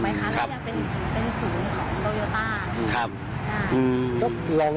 เนื่องจากว่าตรงนี้ก็พวกคนพูดผ้าถูกไหมคะ